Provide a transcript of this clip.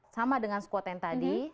sama dengan squat yang tadi